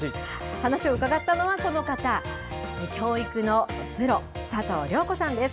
話を伺ったのはこの方、教育のプロ、佐藤亮子さんです。